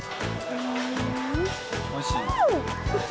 おいしい？